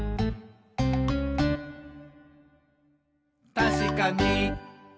「たしかに！」